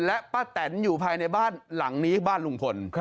และป้าแตนอยู่ภายในบ้านหลังนี้บ้านลุงพล